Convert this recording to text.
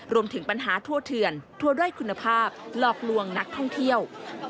รวมถึงปัญหาทั่วเถื่อนทั่วด้อยคุณภาพหลอกลวงนักท่องเที่ยว